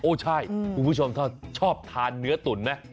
ใช่คุณผู้ชมชอบทานเนื้อตุ๋นไหม